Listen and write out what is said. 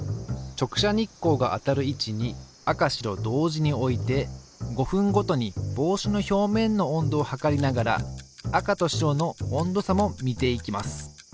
直射日光が当たる位置に赤白同時に置いて５分ごとに帽子の表面の温度を測りながら赤と白の温度差も見ていきます。